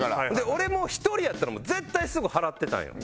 俺もう１人やったら絶対すぐ払ってたんよ。